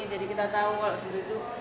jadi kita tahu kalau benar itu